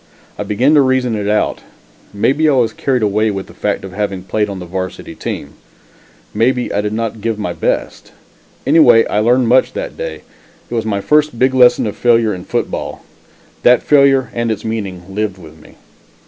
I began to reason it out maybe I was carried away with the fact of having played on the varsity team maybe I did not give my best. Anyway I learned much that day. It was my first big lesson of failure in football. That failure and its meaning lived with me.